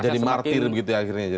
jadi martir gitu ya akhirnya